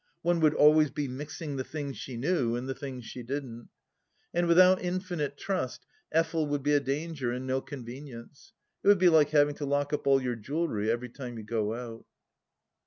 One would always be mixing the things she knew and the things she didn't. And without infinite trust Effel would be a danger, and no convenience. It would be like having to lock up all your jewellery every time you go out.